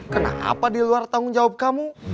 kenapa diluar tanggung jawab kamu